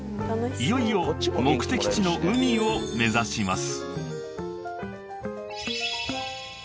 ［いよいよ目的地の海を目指します］